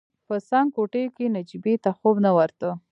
په څنګ کوټې کې نجيبې ته خوب نه ورته.